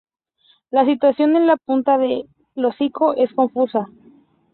La situación en la punta del hocico es confusa.